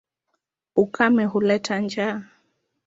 Ukame huleta njaa.